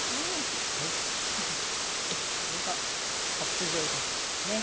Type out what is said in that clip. これが角筋を生かした手ですね。